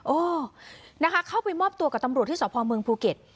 เออนะคะเข้าไปมอบตัวกับตำรวจที่สพเมืองภูเก็ต